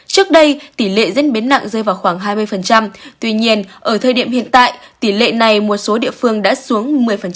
trước đây tỷ lệ diễn biến nặng rơi vào khoảng hai mươi tuy nhiên ở thời điểm hiện tại tỷ lệ này một số địa phương đã xuống một mươi